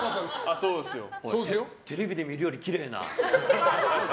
テレビで見るよりきれいな。